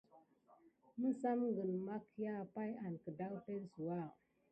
Məsamgəŋ mahkià pay an kəpelsouwa.